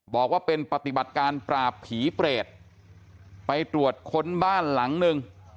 บอกว่าเป็นปฏิบัติการปราบผีเปรตไปตรวจค้นบ้านหลังนึง